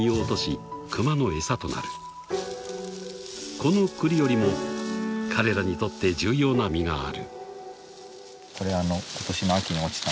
［この栗よりも彼らにとって重要な実がある］